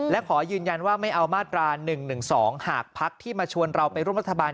และขอยืนยันว่าไม่เอามาตรา๑๑๒หากพักที่มาชวนเราไปร่วมรัฐบาล